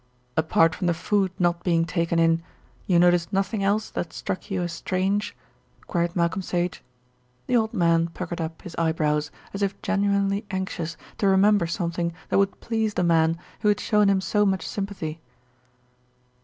"Apart from the food not being taken in, you noticed nothing else that struck you as strange?" queried Malcolm Sage. The old man puckered up his eyebrows, as if genuinely anxious to remember something that would please the man who had shown him so much sympathy.